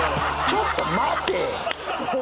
ちょっと待てぃ！！